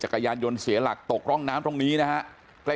จักรยานยนต์เสียหลักตกร่องน้ำตรงนี้นะฮะใกล้